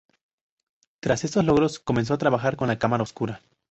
Tras estos logros comenzó a trabajar con la cámara oscura.